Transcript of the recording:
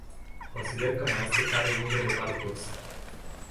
Consider că mai este cale lungă de parcurs.